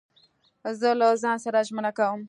زه له ځان سره ژمنه کوم.